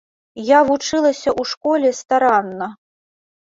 Я вучылася ў школе старанна.